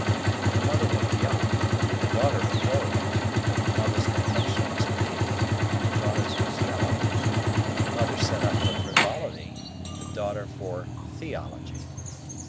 The mother looked young, and the daughter looked old; the mother's complexion was pink, and the daughter's was yellow; the mother set up for frivolity, and the daughter for theology.